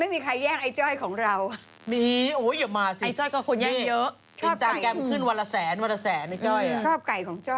อุ๊ยแปดปีแล้วเหรอใช่แปดปีแล้วเร็วมากโอ้โฮ